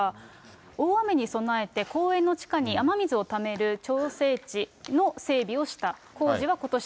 大雨に備えて、公園の地下に雨水をためる調整池の整備をした。